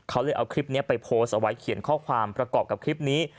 เขาเลยเอาคลิปนี้ไปโพสต์เอาไว้เขียนข้อความประกอบกับคลิปนี้